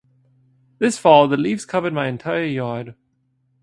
This fall the leaves covered my entire yard.